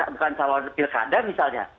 bukan calon pilkada misalnya